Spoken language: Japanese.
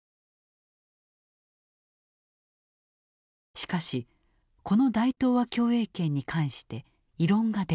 しかしこの大東亜共栄圏に関して異論が出た。